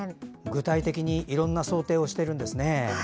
具体的にいろんな想定をしているんですね。